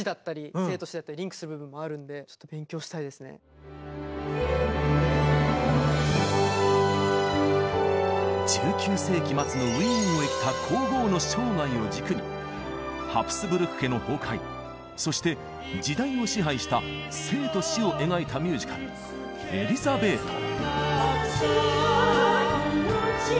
マーラーだけでなく１９世紀末のウィーンを生きた皇后の生涯を軸にハプスブルク家の崩壊そして時代を支配した「生と死」を描いたミュージカル「エリザベート」。